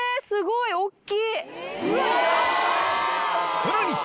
さらに！